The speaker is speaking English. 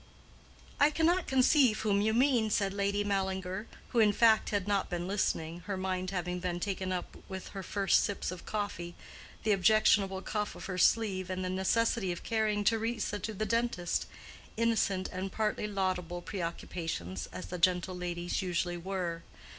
"I cannot conceive whom you mean," said Lady Mallinger, who in fact had not been listening, her mind having been taken up with her first sips of coffee, the objectionable cuff of her sleeve, and the necessity of carrying Theresa to the dentist—innocent and partly laudable preoccupations, as the gentle lady's usually were.